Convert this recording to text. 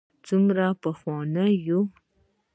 څومره پخواني یو.